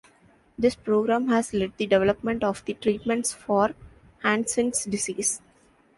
This Program has led the development of the treatments for Hansen's Disease.